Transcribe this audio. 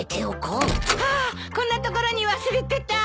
はーっこんなところに忘れてた。